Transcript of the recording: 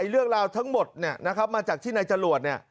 เรื่องราวทั้งหมดมาจากที่ในจรวด